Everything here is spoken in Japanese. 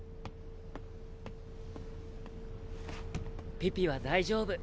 ピピは大丈夫。